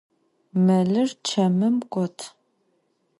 Melır çemım got.